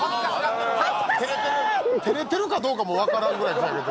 照れてるかどうかも分からんぐらい照れてる。